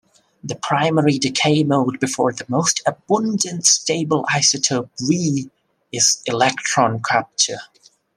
The primary decay mode before the most abundant stable isotope V is electron capture.